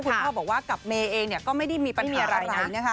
คุณพ่อบอกว่ากับเมย์เองก็ไม่ได้มีปัญหาอะไรนะคะ